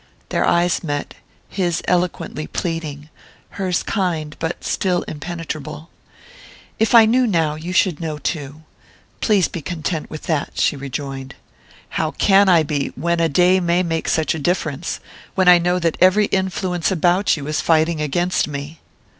Their eyes met, his eloquently pleading, hers kind but still impenetrable. "If I knew now, you should know too. Please be content with that," she rejoined. "How can I be, when a day may make such a difference? When I know that every influence about you is fighting against me?"